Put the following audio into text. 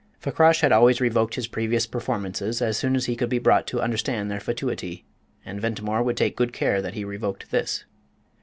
Fakrash had always revoked his previous performances as soon as he could be brought to understand their fatuity and Ventimore would take good care that he revoked this.